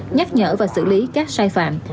nhắc nhở và xử lý các sai phạm